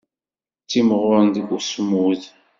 Ttimɣuren deg usmud.